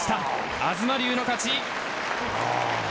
東龍の勝ち。